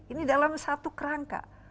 ini dalam satu kerangka